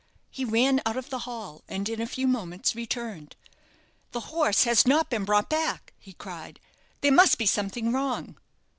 He ran out of the hall, and in a few moments returned. "The horse has not been brought back," he cried; "there must be something wrong."